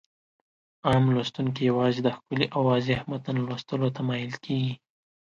عام لوستونکي يوازې د ښکلي او واضح متن لوستلو ته مايل کېږي.